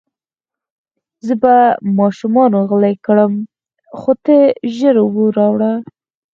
زه به ماشوم غلی کړم، خو ته ژر اوبه راوړه.